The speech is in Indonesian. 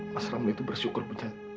mas ramli itu bersyukur